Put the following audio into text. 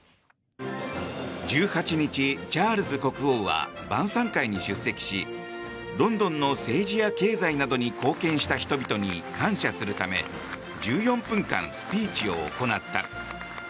１８日、チャールズ国王は晩さん会に出席しロンドンの政治や経済などに貢献した人々に感謝するため１４分間、スピーチを行った。